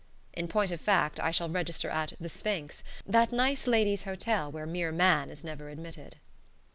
In point of fact, I shall register at "The Sphinx," that nice ladies' hotel where mere man is never admitted.